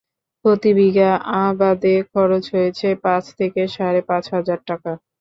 প্রতি বিঘা আবাদে খরচ হয়েছে পাঁচ থেকে সাড়ে পাঁচ হাজার টাকা।